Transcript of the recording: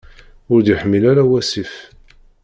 Ur d-yeḥmil ara wasif.